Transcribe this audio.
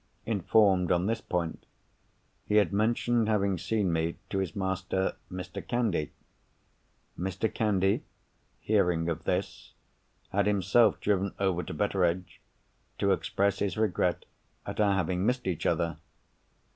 Informed on this point, he had mentioned having seen me to his master Mr. Candy. Mr. Candy hearing of this, had himself driven over to Betteredge, to express his regret at our having missed each other.